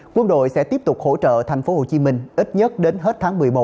quân đội sẽ tiếp tục hỗ trợ thành phố hồ chí minh ít nhất đến hết tháng một mươi một